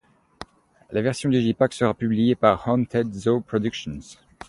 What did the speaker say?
La version digipack sera publiée par Haunted Zoo Productions.